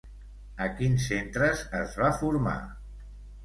A quins centres es va formar?